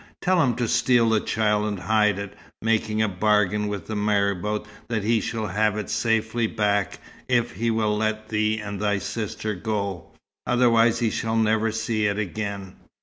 Tell him to steal the child and hide it, making a bargain with the marabout that he shall have it safely back, if he will let thee and thy sister go; otherwise he shall never see it again."